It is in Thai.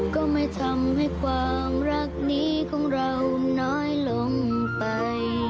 ก็ไม่ทำให้ความรักนี้ของเราน้อยลงไป